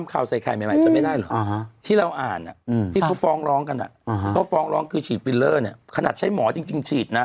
เค้าฟองลองคือฉีดฟิลเลอร์เหนะขนาดใช้หมอจริงฉีดนะ